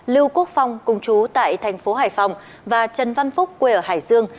lưu quốc phong cùng chú tại thành phố hải phòng và trần văn phúc quê ở hải dương